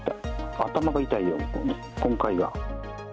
頭が痛いよ、今回は。